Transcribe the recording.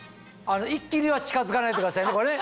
一気には近づかないでくださいね。